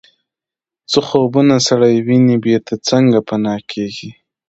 څه خوبونه سړی ویني بیرته څنګه پناه کیږي